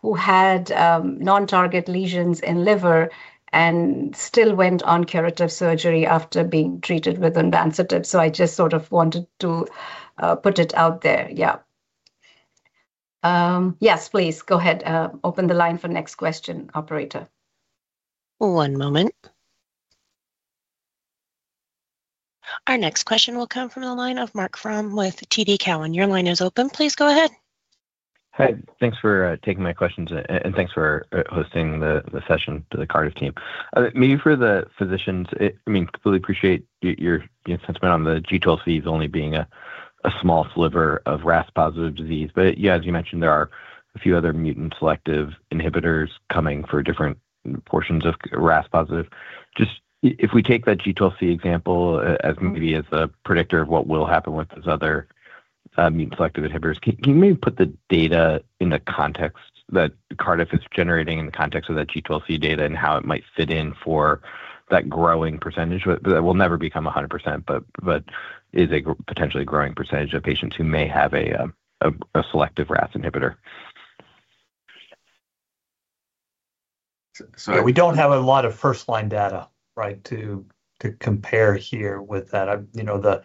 Speaker 2: who had non-target lesions in liver and still went on curative surgery after being treated with onvansertib. So I just sort of wanted to put it out there. Yeah. Yes, please go ahead. Open the line for next question, operator.
Speaker 1: One moment. Our next question will come from the line of Marc Frahm with TD Cowen. Your line is open. Please go ahead.
Speaker 6: Hi. Thanks for taking my questions and thanks for hosting the session to the Cardiff team. Maybe for the physicians, I mean, completely appreciate your sentiment on the G12Cs only being a small sliver of RAS positive disease. Yeah, as you mentioned, there are a few other mutant selective inhibitors coming for different portions of RAS positive. Just if we take that G12C example as maybe as a predictor of what will happen with these other mutant selective inhibitors, can you maybe put the data in the context that Cardiff is generating in the context of that G12C data and how it might fit in for that growing percentage. That will never become 100%, but is a potentially growing percentage of patients who may have a selective RAS inhibitor.
Speaker 4: We don't have a lot of first-line data, right, to compare here with that. You know, the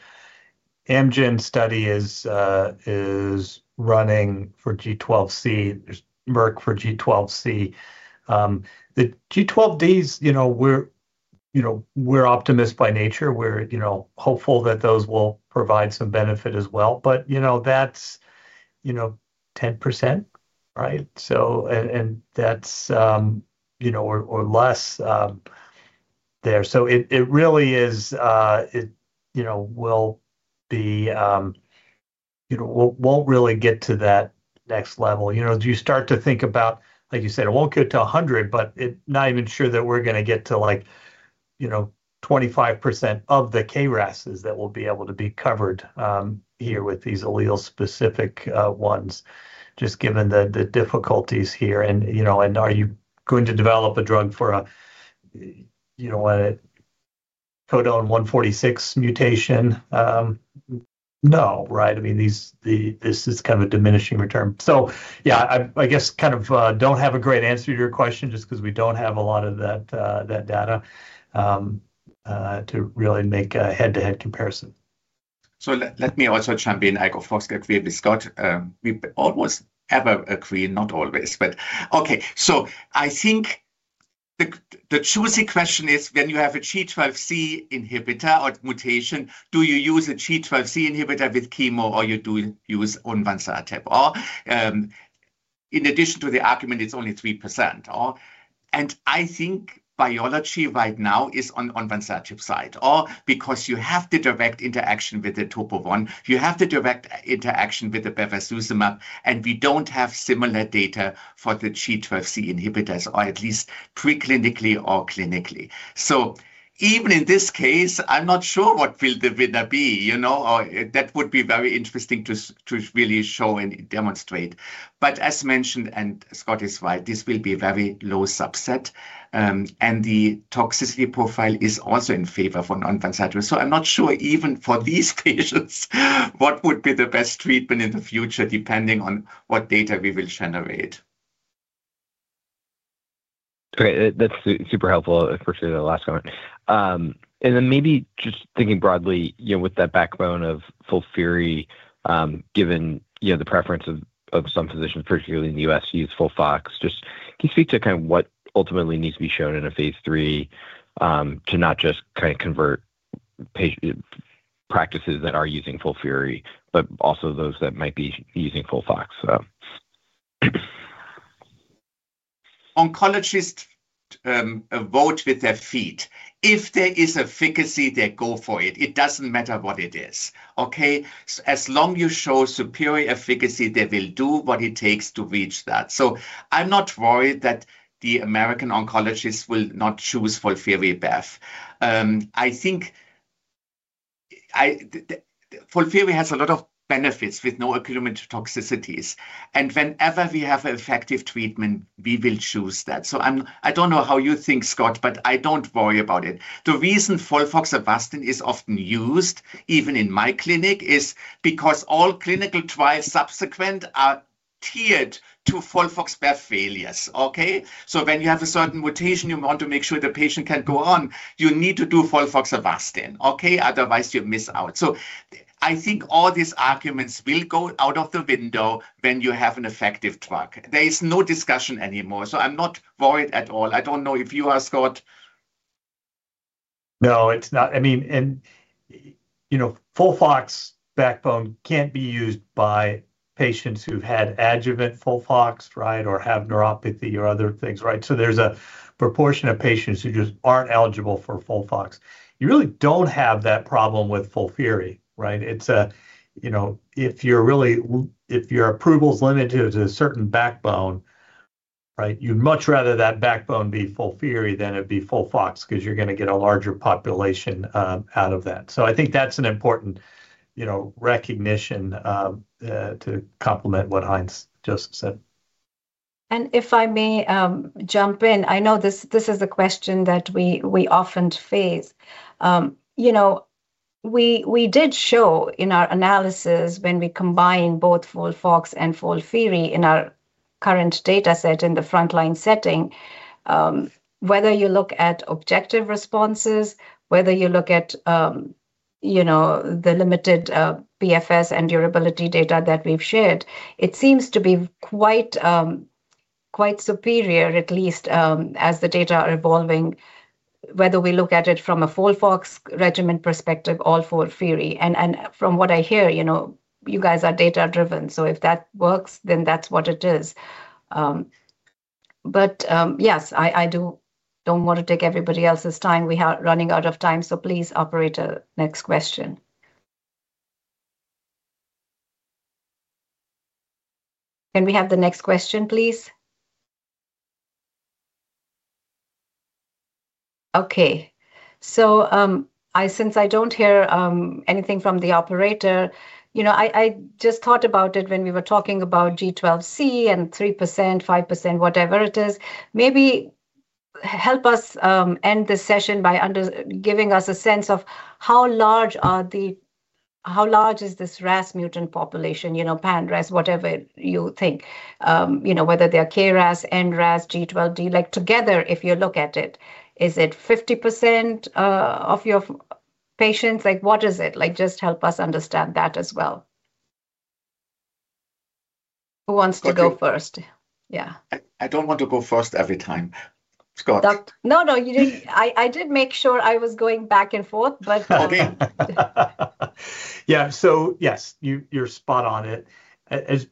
Speaker 4: Amgen study is running for G12C. There's Merck for G12C. The G12Ds, you know, we're optimists by nature. We're hopeful that those will provide some benefit as well. You know, that's 10% or less there, right? It really won't get to that next level. You know, you start to think about, like you said, it won't get to 100%, but not even sure that we're gonna get to like, you know, 25% of the KRASs that will be able to be covered here with these allele-specific ones, just given the difficulties here. You know, are you going to develop a drug for a, you know, a codon 146 mutation? No, right? I mean, this is kind of a diminishing return. Yeah, I guess kind of don't have a great answer to your question just because we don't have a lot of that data to really make a head-to-head comparison.
Speaker 3: Let me also jump in. I go first, get clear with Scott. We almost always agree, not always, but okay. I think the choosing question is when you have a G12C inhibitor or mutation, do you use a G12C inhibitor with chemo or you do use onvansertib. In addition to the argument, it's only 3%, or. I think biology right now is on onvansertib side, or because you have the direct interaction with the Topo I, you have the direct interaction with the bevacizumab, and we don't have similar data for the G12C inhibitors, or at least preclinically or clinically. Even in this case, I'm not sure what will the winner be, you know. That would be very interesting to really show and demonstrate. As mentioned, and Scott is right, this will be a very low subset, and the toxicity profile is also in favor for onvansertib. I'm not sure even for these patients what would be the best treatment in the future, depending on what data we will generate.
Speaker 6: Great. That's super helpful, especially the last comment. Maybe just thinking broadly, you know, with that backbone of FOLFIRI, given the preference of some physicians, particularly in the U.S., to use FOLFOX, just can you speak to kind of what ultimately needs to be shown in a phase III to not just kind of convert practices that are using FOLFIRI, but also those that might be using FOLFOX?
Speaker 3: Oncologists vote with their feet. If there is efficacy, they go for it. It doesn't matter what it is, okay? As long as you show superior efficacy, they will do what it takes to reach that. I'm not worried that the American oncologist will not choose FOLFIRI+BEV. I think, FOLFIRI has a lot of benefits with no accumulative toxicities. And whenever we have effective treatment, we will choose that. I don't know how you think, Scott, but I don't worry about it. The reason FOLFOX + Avastin is often used, even in my clinic, is because all clinical trials subsequent are tiered to FOLFOX+BEV failures, okay? When you have a certain mutation, you want to make sure the patient can go on, you need to do FOLFOX + Avastin, okay? Otherwise, you miss out. I think all these arguments will go out of the window when you have an effective drug. There is no discussion anymore, so I'm not worried at all. I don't know if you are, Scott.
Speaker 4: No, it's not. I mean, you know, FOLFOX backbone can't be used by patients who've had adjuvant FOLFOX, right? Or have neuropathy or other things, right? There's a proportion of patients who just aren't eligible for FOLFOX. You really don't have that problem with FOLFIRI, right? You know, if your approval is limited to a certain backbone, right? You'd much rather that backbone be FOLFIRI than it be FOLFOX, 'cause you're gonna get a larger population out of that. I think that's an important recognition, you know, to complement what Heinz just said.
Speaker 2: If I may jump in, I know this is a question that we often face. You know, we did show in our analysis when we combine both FOLFOX and FOLFIRI in our current data set in the frontline setting, whether you look at objective responses, whether you look at, you know, the limited PFS and durability data that we've shared, it seems to be quite superior, at least, as the data are evolving, whether we look at it from a FOLFOX regimen perspective or FOLFIRI. From what I hear, you know, you guys are data-driven, so if that works, then that's what it is. Yes, I don't wanna take everybody else's time. We are running out of time, please, operator, next question. Can we have the next question, please? Okay. Since I don't hear anything from the operator, you know, I just thought about it when we were talking about G12C and 3%, 5%, whatever it is. Maybe help us end this session by giving us a sense of how large is this RAS mutant population, you know, pan-RAS, whatever you think. You know, whether they are KRAS, NRAS, G12D, like together, if you look at it, is it 50% of your patients? Like, what is it? Like, just help us understand that as well. Who wants to go first?
Speaker 3: Okay.
Speaker 2: Yeah.
Speaker 3: I don't want to go first every time. Scott?
Speaker 2: No, you didn't. I did make sure I was going back and forth, but-
Speaker 3: Okay.
Speaker 4: Yes, you're spot on it. As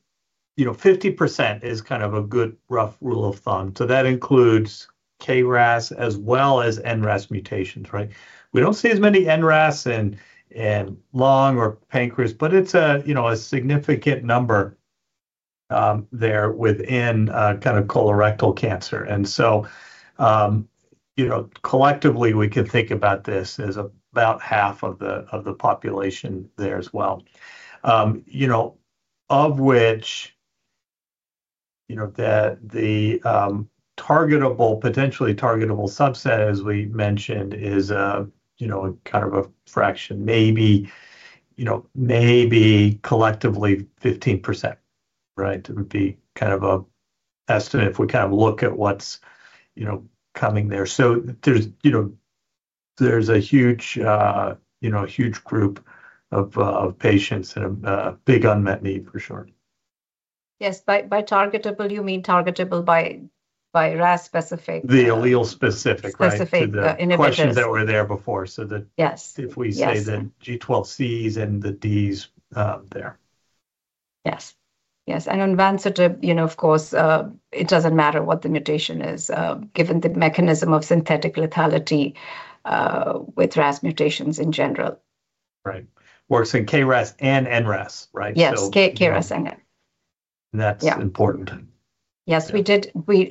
Speaker 4: you know, 50% is kind of a good rough rule of thumb. That includes KRAS as well as NRAS mutations, right? We don't see as many NRAS in lung or pancreas, but it's a significant number, you know, there within kind of colorectal cancer. Collectively, we can think about this as about half of the population there as well. You know, of which, the targetable, potentially targetable subset, as we mentioned, is kind of a fraction, maybe collectively 15%, right? It would be kind of an estimate if we kind of look at what's coming there. There's, you know, a huge group of patients and a big unmet need for sure.
Speaker 2: Yes. By targetable, you mean targetable by RAS-specific-
Speaker 4: The allele-specific, right?
Speaker 2: Specific inhibitors.
Speaker 4: To the questions that were there before.
Speaker 2: Yes. Yes.
Speaker 4: If we say the G12Cs and the Ds, there.
Speaker 2: Yes. Yes, onvansertib, you know, of course, it doesn't matter what the mutation is, given the mechanism of synthetic lethality with RAS mutations in general.
Speaker 4: Right. Works in KRAS and NRAS, right?
Speaker 2: Yes. KRAS and it.
Speaker 4: That's-
Speaker 2: Yeah
Speaker 4: ...important.
Speaker 2: Yes.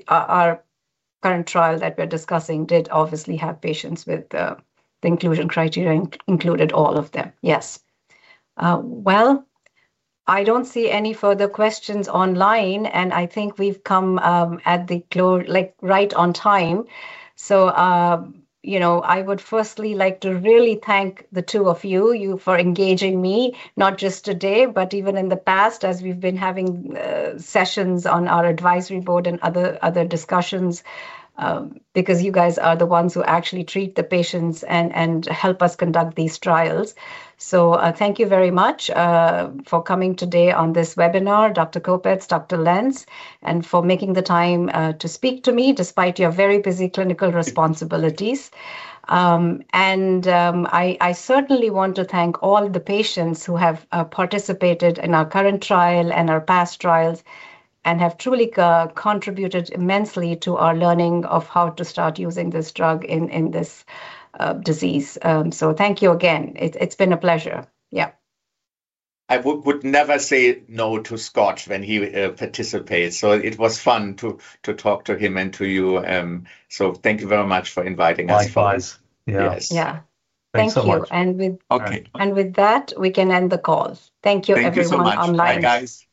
Speaker 2: Our current trial that we're discussing did obviously have patients with the inclusion criteria included all of them. Yes. Well, I don't see any further questions online, and I think we've come right on time. You know, I would firstly like to really thank the two of you for engaging me, not just today, but even in the past as we've been having sessions on our advisory board and other discussions, because you guys are the ones who actually treat the patients and help us conduct these trials. Thank you very much for coming today on this webinar, Dr. Kopetz, Dr. Lenz, and for making the time to speak to me despite your very busy clinical responsibilities. I certainly want to thank all the patients who have participated in our current trial and our past trials and have truly co-contributed immensely to our learning of how to start using this drug in this disease. Thank you again. It's been a pleasure. Yeah.
Speaker 3: I would never say no to Scott when he participates. It was fun to talk to him and to you. Thank you very much for inviting us.
Speaker 4: Likewise. Yes.
Speaker 2: Yeah.
Speaker 4: Thanks so much.
Speaker 2: Thank you.
Speaker 3: Okay.
Speaker 2: With that, we can end the call. Thank you everyone online.
Speaker 3: Thank you so much. Bye, guys.
Speaker 2: Bye.